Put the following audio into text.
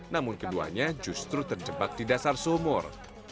namun keduanya justru terjebak di dasar sumur